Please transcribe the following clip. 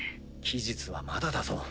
期日はまだだぞ。